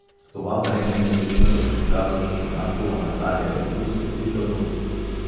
В това време месечината се показа над една кула на Царевец и осветли Търново.